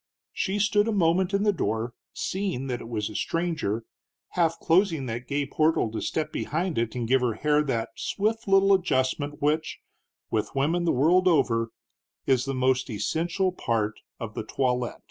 She stood a moment in the door, seeing that it was a stranger, half closing that gay portal to step behind it and give her hair that swift little adjustment which, with women the world over, is the most essential part of the toilet.